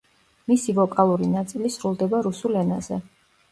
მისი ვოკალური ნაწილი სრულდება რუსულ ენაზე.